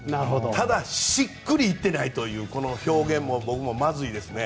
ただ、しっかりいってないというこの表現も僕もまずいですね。